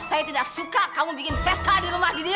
saya tidak suka kamu bikin pesta di rumah diri